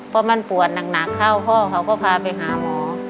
พอมันปวดหนักเข้าพ่อเขาก็พาไปหาหมอ